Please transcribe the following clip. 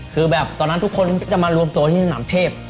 คือแบบตอนนั้นทุกคนจะมารวมตัวที่สนามเทพ